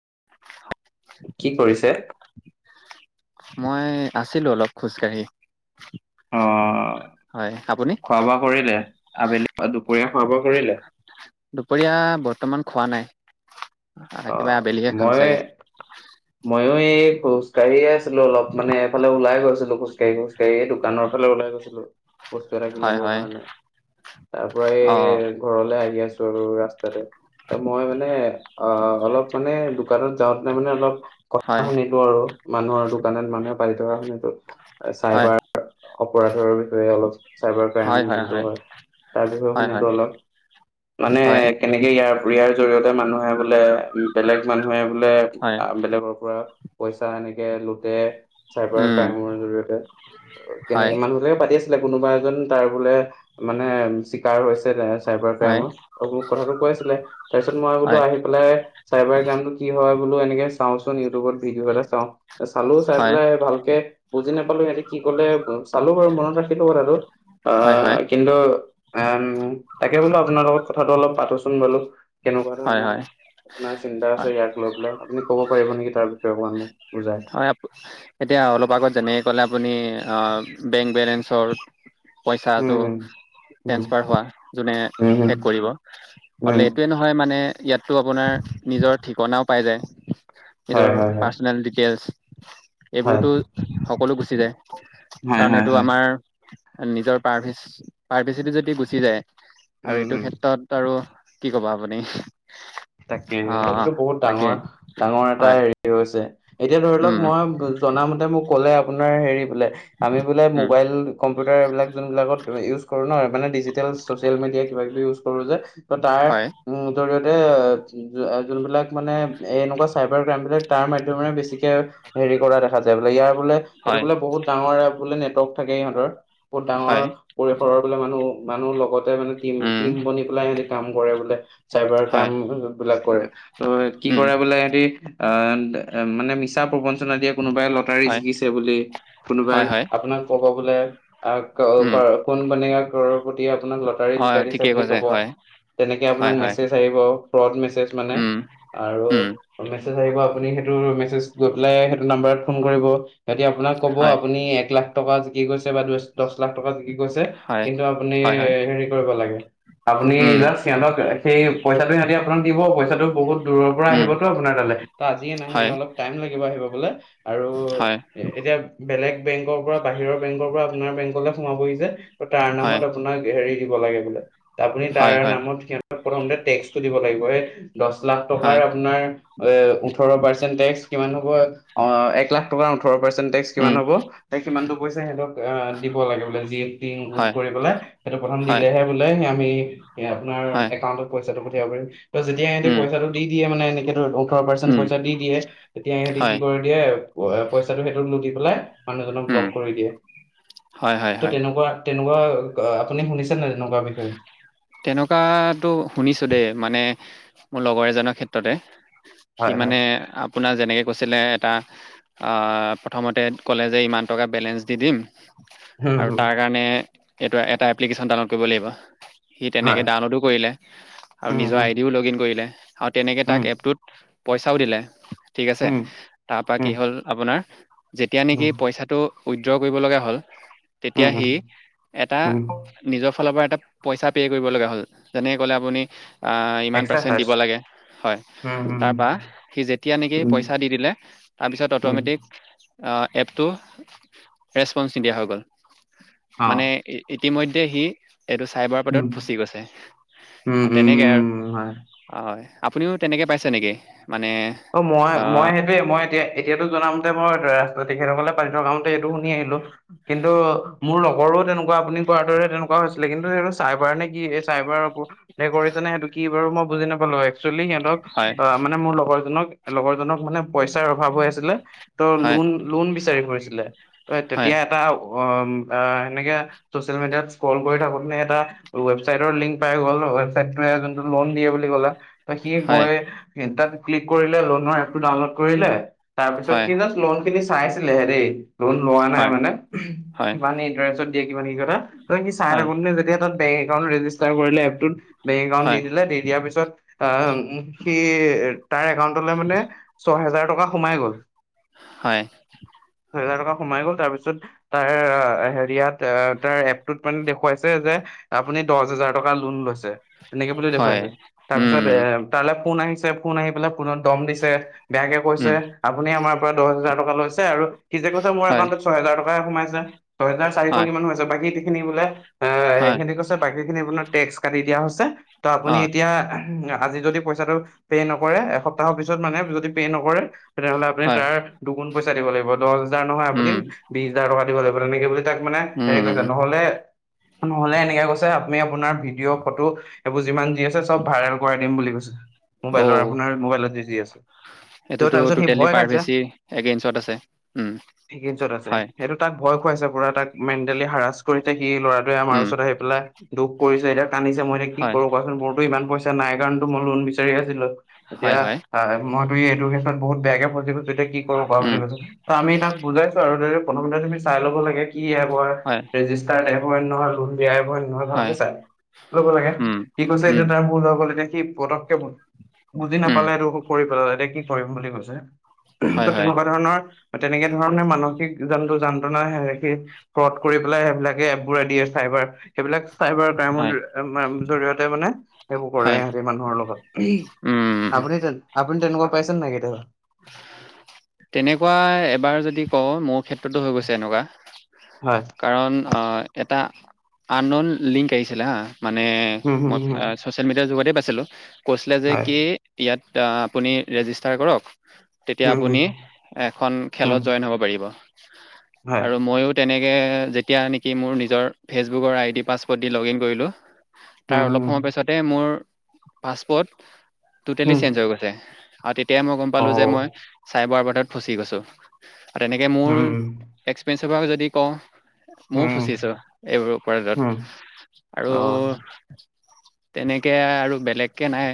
[unintelligible] কি কৰিছে। মই আছিলো অলপ খোজকাাঢ়ি। অ', আপুনি? খোৱা বোৱা কৰিলে, আবেলি অ-দুপৰীয়া খোৱা বোৱা কৰিলে?। দুপৰীয়া বৰ্তমান খোৱা নাই। আ, একেবাৰে অ', আবেলিহে খাম মই, চাগে। মইয়ো এই খোজকাঢ়িয়ে আছিলো অলপ, মানে এইফালে ওলাই গৈছিলো খোজকাঢ়ি-খোজকাঢ়িয়ে এ, দোকানৰ ফালে ওলাই গৈছিলো। বস্তু এটা হয়, কিনিবৰ হয়, কাৰণে। তাৰ পৰা এই অ', ঘৰলে আহি আছো। ৰ-ৰাস্তাতে, মই মানে অ', অলপ মানে দোকানত যাওঁতে মানে অলপ কথা হয়, শুনিব আৰু। মানুহৰ দোকানত মানুহে পাতি থকা শুনিলো। হয়, চাইবাৰ অপৰাধৰ বিষয়ে অলপ চাইবাৰ ক্ৰাইম যোনটো হয়, তাৰ বিষয়ে হয়, শুনিলো হয়, অলপ। মানে হয়, কেনেকে ইয়াৰ ইয়াৰ জৰিয়তে মানুহে বোলে বোলে বেলেগ মানুহে বোলে হয়, আ, বেলেগৰ পৰা পইচা এনেকে লুতে। চাইবাৰ উম, ক্ৰাইমৰ জৰিয়তে, হয়, কেনেকে মানুহ বিলাকে পাতি আছ কোনোবা এজন তাৰ বোলে মানে চিকাৰ হৈছ ছিলে চাইবাৰ হয়, ক্ৰাইমৰ, আৰু মোক কথাটো কৈ আছিলে, তাৰপিছত মই বোলো হয়, আহিল পেলাই, চাইবাৰ ক্ৰাইম নো কি হয় বোলো এনেকে চাওঁ চোন ইউটিউবত ভিডিঅ' এটা চাওঁ। চালো চাই হয়, পেলাই ভালকে বুজি নাপালো সিহঁতে কি কলে চালো বাৰু মনত ৰাখিলো কথাটো হয়, হয়, অঁ কিন্তু এ তাকে বোলো আপোনাৰ লগত কথাটো অলপ পাাতোচোন বাৰু হয় হয় আপোনাৰ চিন্তা হয়, আছে ইয়াক লৈ পেলাই আপুনি ক'ব পাৰিব নেকি তাৰ বিষয়ে অকমান মোক বুজাই হয় এতিয়া অলপ আগত যেনেক ক'লে আপুনি বেংক বেলেঞ্চৰ উম পইচাটো হম উম ট্ৰেন্সফাৰ হোৱা যোনে উম হম হেক কৰিব উম হ'লে এইটোৱে নহয় মানে ইয়াততো আপোনাৰ নিজৰ ঠিকনাও পাই যায় নিজৰ হয়, হয়, হয়, পাৰ্চনেল ডিটেইলছ হয়। এইবোৰতো সকলো গুচি যায় হয়, কাৰণ হয়, এইটো হয়। আমাৰ নিজৰ পাৰ প্ৰাইভেইচি যদি গুচি যায় উম, আৰু এইটো হুম। ক্ষেত্ৰত আৰু কি কব আপুনি তাকে অ এইটো বহুত তাকে ডাঙৰ ডাঙৰ এটা হয় হেৰি এতিয়া ধৰি লওক উম মই জনা মতে মোক ক'লে আপোনাৰ হেৰি আমি বোলে উম মোবাইল কম কম্পিউটাৰবিলাক যোনবিলাকত ইউজ কৰোঁ ন মানে ডিজিটেল চছিয়েল মিডিয়া কিবা কিবি ইউচ কৰো কৰো যে ত তাৰ হয় উঁ জৰিয়তে এ যোনবিলাক মানে এনেকুৱা চাইবাৰ ক্ৰাইম বিলাক তাৰ মাধ্যমেৰে বেছিকে হেৰি কৰা দেখা যায় বোলে ইয়াৰ বোলে এইটো হয় বোলে বহুত ডাঙৰ বোলে নেটৱৰ্ক থাকে ইহঁতৰ বহুত ডাঙৰ হয় পৰিসৰৰ মানুহ মানুহ লগত মানে টিম উম টিম বনি পেলাই সিহঁতে কাম কৰে বোলে চাইবাৰ হয় ক্ৰাইম লা কৰে ত কি উম কৰে বোলে সিহঁতি অ মানে মিছা প্ৰবঞ্চনা দিয়ে কোনোবাই লটাৰী হয় জিকিছে বুলি কোনোবাই হয় হয় আপোনাক ক'ব বোলে অ ক উম কোন বনেগা কৰ গতিয়া আপোনাক লটাৰ হয় জিকাই দিছে ঠিকেই বুলি কৈছে ক'ব হয় তেনেকে হয় আপোনাক হয় মেছেজ আহিব প্ৰদ ম উম উম ম ম [inaudible] যদি আপোনাক ক'ব হয় আপুনি এক লাখ টকা জিকি গৈছে বা দুই দহ লাখ টকা জিকি গৈ হয় কিন্তু আপুনি হয় হয় হেৰি কৰিব লাগে আপুনি উম নিজা সিহঁতকে সেই পইচাটো সিহঁতিক দিব পইচাটো বহুত দূৰৰ পৰা উম আহিবতো আপোনাৰ তালৈ ত আজিয়ে নাহে হয় অলপ টাইম লাগিব আহিব বলে আৰু হয় এ এতিয়া বেলেগ বেংকৰ পৰা বাহিৰৰ বেংকৰ পৰা আপোনাৰ বেংকলে সোমাবহি যে তাৰ হয় নামত আপোনাৰ হেৰি দিব লাগে বোলে আপুনি তাৰ হয় হয় নামত কে টে্টো দিব লাগিব এ দহ লাখ টকাৰ হয় আপোনাৰ এ ওঠৰ পাৰ্চেন্ট টেক্স কিমান হ'ব অ এক লাখ টকাৰ হ উম সেই দিব লাগ সেইথ হয় হয় দিলেহে বোলে আমি এ আপোনাৰ হয় একাউণ্টত পইচ [inaudible] প ত যেতিয়া এহঁ উম পইচটো দি দিয়োনে এনেকে [inaudible] ৰ পাৰ্চে উম পইচা দি দিয়ে তেতিয়া সহঁতি কি হয় কৰে দিয় পইচাটোো সেইোক লু বোলে মানুহজনক উম, ব্লক কৰি দিয়ে হয়, হয়, ত' হয়। তেনেকুৱা তেনেকুৱা আ আপুনি শুনিছে নে? তেনেকুৱা বিষয়ে তেনেকুৱাতো শুনিছো দেই মানে মোৰ লগৰ এজনৰ ক্ষেত্ৰতে। সি হয় হয় মানে আপোনাৰ যেনেকে কৈছ চিলে এটা আ প্ৰথমতে ক'লে যে, ইমান টকা বেলেঞ্চ দি দিম। হুম আৰু হুম তাৰ কাৰণে এইটো এটা এপ্লিকেশ্যন ডাউনলোড কৰিব লাগিব। সি তেনেকে হয় ডাউনলোডো কৰিলে আৰু উম নিজৰ উম আই ডিও লগ ইন কৰিলে। আৰু তেনেকে উম তাক এপটোত পইচাও দিলে। ঠিক আছে, তাৰ পৰা উম কি হ'ল আপোনাৰ? যেতিয়া নেকি উম পইচাটো উইড্ৰ কৰিব লগা হ'ল তেতিয়া উম উম সি এটা উম নিজৰ ফালৰ পৰা ত [unintelligible] পইচা পে' কৰিব লগা হ'ল, যেনেকে ক'লে আপুনি আ ইমান এক্সট্ৰা পাৰ্চেণ্ট চাৰ্জ দিব লাগে হয়, উম উম তাৰপৰা সি যেতিয়া নেকি উম পইচা দি দিলে তাৰপিছত উম অট'মেটিক আ এপটো ৰেচপঞ্চ নিদিয়া হৈ গ'ল। অ মানে ইতিমধ্যে সি এইটো চাইবাৰ উম পদত ফচি গৈছে উম তেনেকৈ আৰু উম হয় হয় আপুনিও তেনেকে পাইছে নেকি? মানে অ', মই, আহ মই সেইটোয়ে মই এতিয়া এতিয়াতো জনামতে মই ধৰা তেখেতসকলে পাতি থকা মতে এইটো শুনি আহিলো কিন্তু মোৰ লগৰো তেনেকুৱা আপুনি কোৱাৰ দৰে তেনেকুৱা হৈছিলে কিন্তু সেটো চাইবাৰ নে কি এই চাইবাৰও কৰিছে নে সেইটো কি বাৰু মই বুজি নাপালো এক্স একচুৱেলী সিহঁতক হয় আহ মানে মোৰ লগৰ লগৰ জনক মানে পইচাৰ অভাৱ হৈ আছিলে ত' হয় লোন লোন বিচাৰি ফুৰিছে [unintelligible] ত হয় তেতিয়া এটা অ', সেনেকে চচিয়েল মিডিয়াত স্ক্ৰল কৰি থাকোতে এটা ৱেবচাইটৰ লিংক পাই গ'ল ৱেবচাইট টোৱে যোনটো লোন দিয়ে বুলি ক'লে সি হয় গৈ ইনতাত ক্লিক কৰিলে লোনৰ এপটো ডাউনলোড কৰিলে। তাৰপিছত হয় সি জাষ্ট লোন খিনি চাইছিলে হে দেই লোন লোৱা নাই হয় মানে, হয় কিমান‌‌ ইণ্টাৰেষ্টত দিয়ে কিমান কি কথা চাই হয় থাকোতে যেতিয়া তাত বেংক একাউট ৰেজিষ্টাৰ কৰিলে এপটোত বেংক একাউণ্ট দি হয় দিলে, দি দিয়াৰ পিছত আ, সি তাৰ একাউট লে মানে দহ হেজাৰ টকা সোমাই গ'ল। হয়। হেজাৰ টকা সোমাই গ'ল, তাৰপিছত তাৰ হেৰিয়াত আ, তাৰ এপটোত মানে দেখুৱাইছে যে, আপুনি দচ হাজাৰ টকা লোন লৈছ তেনেকে বুলি হয় দেখুৱাইছে, তাৰ পিছত উম এ, তালে ফোন আহিছে, ফোন আহি পেলাই ফোনত দম দিছে। বেয়াকে কৈছে, উম আপুনি আমাৰ পৰা দহ হাজাৰ টকা লৈছে আৰু সি যে, কৈছে মোৰ হয় একাউণ্টত ছয় হেজাৰ টক সোমাইছে ছয়হাজাৰ চাৰিশ হয় কিমান হৈছে সোমাইছে বাকী খিনি বোলে এ, হয়, সেইখিনি কৈছে বাকী খিনি আপোনাৰ টেক্স কাটি দিয়া হৈছে ত' আপুনি অ', এতিয়া আজি যদি পইচাটো পে, নক কৰে, এসপ্তাহৰ পিছত মানুহে যদি পে, নকৰে তেনেহ'লে আপুনি হয়, তাৰ দুগুণ পইচা দিব লাগিব দচ হেজাৰ নহয়, আপুনি উম, বিশ হাজাৰ টকা দিব লাগি [unintelligible] তাক মানে হেৰি কৈছে উম, নহ'লে নহলে এনেকে কৈছে আপুনি আপোনাৰ ভিডিঅ' ফটো এইবোৰ যিমান যি আছে চব ভাইৰেল কৰাই দিম বুলি কৈছে। মোবাইল অ', এইটোতো তাৰপিছত, সি টোটেলি ভয় খাই, প্ৰাইভেচি এগেইনষ্টত আছে। উম, হয়, সেইটো তাক ভয় [unintelligible] পুৰা তাক মেণ্টেলি হাৰাচ কৰি থাকি সি ল'ৰাটোৱে আমাৰ উম, ওচৰত আহি পেলাই দুখ কৰিছে এতিয়া কান্দিছে মই এতিয়া কি হয়, কৰো কোৱাচোন? মোৰ ত ইমান পইচা নাই কাৰণো মই লোন বিচাৰি আছিলো। তেতিয়া হয়, হয়, আহ মই তই এডুেশ্যন বহুত বেয়াকে ফছিলো যেতিয়া কি কোৱা বুলি উম, কৈছে, ত আমি তাক বুজাইছো আৰু প্ৰথমতে তুমি চাই ল'ব লাগে। কি এপ হয় ৰেজিষ্টাৰ এ [unintelligible] হয় ভালকে চাই ল'ব লাগে। উম, সি কৈছে উম, এতিয়া তাৰ ভুল হৈ গ'ল এতিয়া এই পতক বুজি উম, নাপালে সেইটো পেলাই এয়া কি কৰিম বুলি কৈছে? ত' হয়, হয়, তেনেকুৱা ধৰণৰ তেনেকে ধৰণে মানসিক জন্তু যন্ত্ৰণা হেনেকেই ফ্ৰত কৰি পেলাই সেইবিলাকে এপ বোৰে দিয়ে চাইবাৰ সেইবিলাক চাইবাৰ ক্ৰাই-মৰ হয়, [unintelligible] জৰিয়তে মানে সেইবোৰ কৰে হয়, সিহঁতে মানুহৰ লগত উম। আপুনি তে-আপুনি তেনেকুৱা পাইছে নে নাই কেতিয়াবা? তটো হৈ গৈছে এনেকুৱা হয় কাৰণ অ', এটা আননন লিংক আহিছিলে হা হম হম মানে-মই হম ছ'চিয়েল মিডিয়াৰ যুগতে চিলো কৈছিলে যে, হয় কি ইয়াত টা, আপুনি ৰেজিষ্টাৰ কৰক তেতিয়া হম হম আপুনি এখন হম খেলত জইন হ'ব পাৰিব, হয় আৰু ময়ো তেনে কে, যেতিয়া নেকি মোৰ নিজৰ ফেচবুকৰ আইডি পাছৱৰ্ড দি লগ ইন কৰিলোঁ তাৰ হম অলপ হম সময় পিছতে মোৰ পাছপৰ্ট টটেলি হম চেঞ্জ হৈ গৈছে। আৰু তেতিয়া পালো অ' যে মই চাই বাৰ তাত ফচি গৈছো। তেনেকে মোৰ হম তোমাক যদি কওঁ ময়ও হম ফুচিছো এইবোৰ হম [unintelligible] আৰু অ' তেনেকে আৰু বেলেগকে নাই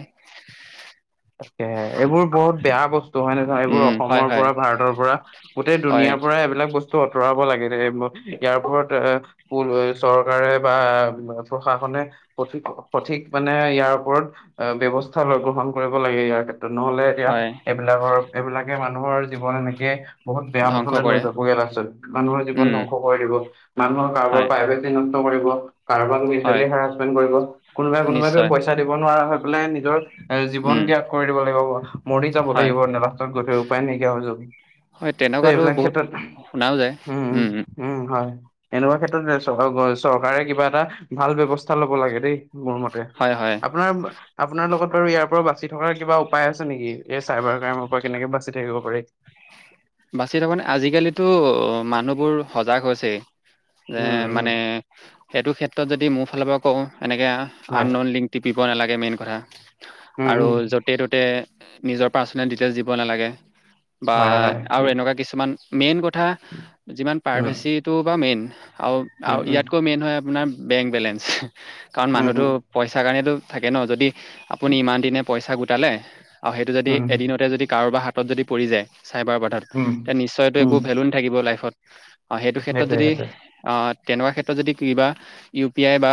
তাকে এইবোৰ বহুত বেয়া বস্তু টোহানি ভাই বোৰ হয় অসমৰ হয় পৰা ভাৰতৰ পৰা গোটেই হয় দুনাৰ পৰা এইবিলাক বস্তু আঁতৰাব লাগেদে ইয়াৰ পৰা চৰকাৰে বা প্ৰশাসনে সঠিক সঠিক মানে ইয়াৰ ওপৰত ব্যবস্থা লয় গ্ৰহণ কৰিব লাগে য়াৰ নহ'লে এতিয়া হয় এইবিলাকৰ এইবিলাকে মানুহৰ জীৱন এনেকে বহুত বেয়া ধ্বংস পথলৈ লৈ কৰে যাবগৈ লাষ্টত মানুহৰ জীৱন ধ্বংস কৰি দিব মানুহৰ কাৰোবাৰ হয় প্ৰাই নকৰিব। কাৰোবাক হয় মেণ্টেলি হেছমেণ্ট কৰিব কোনোবাই কোনব নিশ্চয় পইচা দিব নোৱাৰা হয় বোলে নিজৰ জন ত্যাগ কৰি দিব লাগিব মৰি যাব হয় লাগিব নে লাষ্টত গৈটেই উপায় নাইকিয়া হৈ যাব হয় ত' তেনেকুৱাতো সেইবিলাক বহুত ক্ষেত্ৰত উম, উম, হয়। এনেকুৱা ক্ষেত্ৰত চৰকাৰে কিবা এটা ভাল ব্যবস্থা [unintelligible] লব লাগে দেই মোৰ মতে হয় হয়। আপোনাৰ আপোনাৰ লগত আৰু ইয়াৰ পৰা বা চিথকাৰ কিবা উপায় আছে নেকি? এই চাৰভাৰ ক্ৰাইমৰ পৰা কেনেকে বাচি থাকিব পাৰি। বাচি তাৰ মানে আজিকালিতো মানুহবোৰ সজাগ হৈছে। এ উম উম মানে সেইটো খেতু ত যদি মোৰ ফালৰ পৰা কওঁ এনেকে আন হয় নন লিংক টিপি টিপিব নেলাগে মেইন কথা। উম আৰু উম যতে ততে, নিজৰ পাৰ্চনেল ডিটেইলছ দিব নালাগে। বা হয় হয় আৰু এনেকুৱা কিছুমান মেইন গ তথা যিমান উম প্ৰাৰভেচিটো বা মেইন। আৰু উম আৰু উম ইয়াতকৈ মেইন হয় আপোনাৰ বেংক বেলেন্ঞ্চ কাৰণ উম মানুহতো পইচাৰ কাৰণেতো থাকে ন যদি আপুনি ইমান দিনে পইচা গোটালে আৰু সেইটো যদি উম উম এদিনতে যদি কাৰোবাৰ হাত হাতত যদি পৰি যায় চ উম তে নিশ্চয়তো উম একো ভেলু নাথাকিব লাইফত অ' সেইটো ক্ষেত্ৰত সেইটোৱে যদি সেইটোৱে অ' তেনেকুৱা ক্ষেত্ৰত যদি কিবা ইউ পি আই বা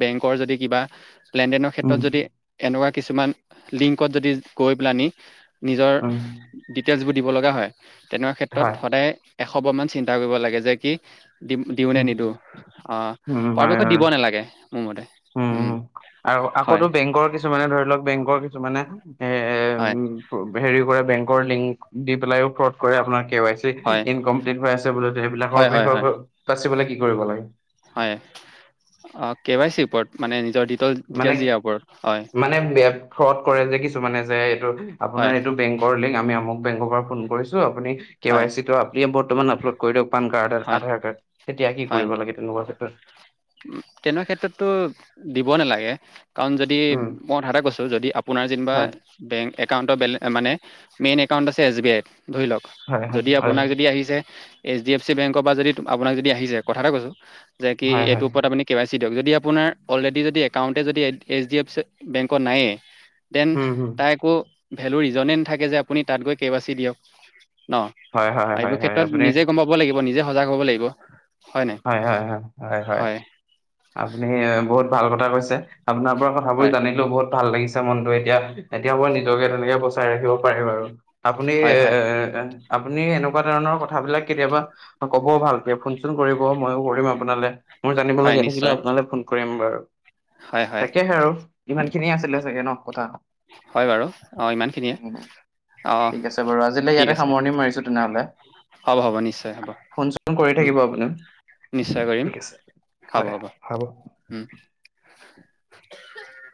বেংকৰ যদি কিবা লেনদেনৰ উম ক্ষেত্ৰত যদি এনেকুৱা কিছুমান লিংকত যদি গৈ পেলানি নিজৰ উম ডিটেইলছ বুল দিব লগা হয় তেনেকুৱা ক্ষেত্ৰত হয় সদায় এস অমান চিন্তা কৰিব লাগে যে, কি দিম, দিওঁ নে উম নিদো। অ', উম হয় পৰাপক্ষত হয় দিব নালাগে। মোৰ মতে উম, আৰু আকৌ হয় বেংকৰ কিছুমানে ধৰি লওঁক বেংকৰ কিছুমানে এ, হয় এ হেৰি কৰে বেং বেংকৰ লিংক দি পেলায়ো ফ্ৰত কৰে আপোনাক কে ৱাই চি হয় ইনকমপ্লিট হৈ আছে বোলে হয় সেইবিলাকৰ হয় হয় বিষয়ে [unintelligible] কি কৰিব লাগে হয়, অ', কে ৱাই চিৰ ওপৰত মানে নিজৰ দি মান, মানে ফ্ৰত কৰে যে, কিছু মানে যে হয় আপোনাৰ এইটো বেংকৰ লিংক আমি আমুক বেংকৰ পৰা ফোন কৰিছোঁ আ আপুনি কে হয় ৱাই চি টো আপিয় বৰ্তমান আপলোড কৰি দিয়ক। পান কাৰ্ড, হয় আধাৰ কাৰ্ড তেতিয়া কি কৰিব লাগে তেনেকুৱৰ ক্ষেত্ৰত উ, তেনেকুৱা ক্ষেত্ৰতো দিব নালাগে। কাৰণ যদি উম মই কথা এটা কৈছোঁ, যদি আপোনাৰ যেনিবা হয় বেংক একাউণ্টৰ বেলে মানে মেইন একাউণ্ট আছে এছ বি আইত। ধৰি লওক হয় হয় যদি হয় আপোনাক যদি আহিছে। এইচ ডি এফ চি বেংকৰপা যদি আপোনাক যদি আহি যায়, কথা কৈছো যে কি হয় এত [inaudible] হয় আপুনি কে ৱাই চি দ যদি আপোনাৰ অলৰেডি যদি একাউট যদি এইচ ডি এফ চি বেংকত নাইয়েই দেন উম উম তাইকো ভেলু ৰিজনেই নাথাকে যে, আপুনি তাত গৈ কেৱাইচি দিয়ক। ন, হয় হয় হয় এইবোৰ হয় ক্ষেত্ৰত আপুনি নিজে গম পাব লাগিব নিজে সজাগ হ'ব লাগিব। হয়, হয়, হয়, হয়। হয়, আপুনিয়ে বহুত ভাল কথা কৈছে। আপোনাৰ পৰা কথাবোৰ হয় জানিলো বহুত ভাল লাগিছে। মনটো এতিয়া এতিয়া মই নিজকে তেনেকে বচাই ৰাখিব পাৰিম আৰু। আপুনি হয় এ, হয় এ, এ, এ আপুনি এনেকুৱা ধৰণৰ কথাবিলাক কেতিয়াবা ক'বও ভালকে ফোনচোন কৰিব, ময়ো কৰিম আপোনালে। মই হয় জানিবলগীয়া থাকিলে নিশ্চয় আপোনালে ফোন কৰিম বাৰু। হয় হয় তাকেহে আৰু ইমান খিনিয়ে আছিলে চাগে ন' কথা। হয় বাৰু অ ইমানখিনিয়ে উম, অ ঠিক আছে বাৰু, আজিলৈ ঠিক ইয়াতে আছে সামৰণি মাৰিছো তেনেহ'লে হ'ব হ'ব নিশ্চয় হ'ব ফোন চোন কৰি উম, থাকিব আপুনি। নিশ্চয় কৰিম, ঠিক আছে হ'ব, হ'ব, উম।